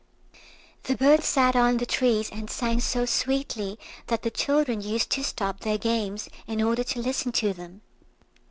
The birds sat on the trees and sang so sweetly that the children used to stop their games in order to listen to them.